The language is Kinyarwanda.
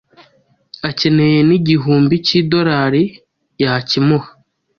akeneye n’ igihumbi cy’ idorari yakimuha